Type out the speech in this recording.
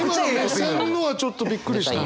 今の目線のはちょっとびっくりしたね。